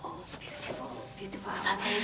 oh cantik banget